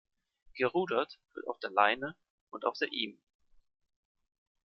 Gerudert wird auf der Leine und auf der Ihme.